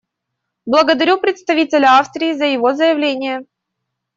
Благодарю представителя Австрии за его заявление.